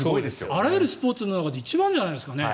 あらゆるスポーツの中で一番じゃないですかね。